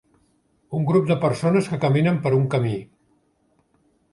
Un grup de persones que caminen per un camí.